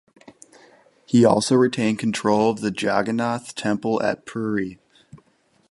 He also retained control of the Jagannath Temple at Puri.